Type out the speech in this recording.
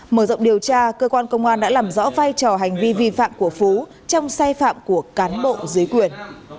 mở rộng điều tra cơ quan công an đã làm rõ vai trò hành vi vi phạm của phú trong sai phạm của cán bộ dưới quyền